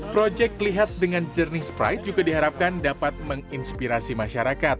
proyek lihat dengan jernih sprite juga diharapkan dapat menginspirasi masyarakat